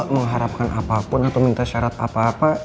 mengharapkan apapun atau minta syarat apa apa